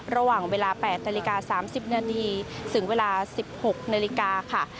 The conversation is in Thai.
ระหว่างเวลา๘นาฬิกา๓๐นาทีถึงเวลา๑๖นาฬิกาค่ะ